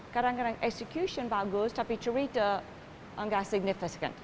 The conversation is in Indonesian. kadang kadang eksekusi bagus tapi cerita tidak signifikan